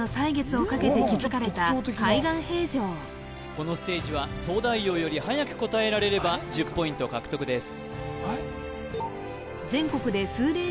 このステージは東大王よりはやく答えられれば１０ポイント獲得です